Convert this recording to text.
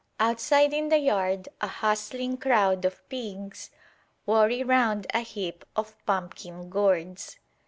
Outside in the yard a hustling crowd of pigs worry round a heap of pumpkin gourds.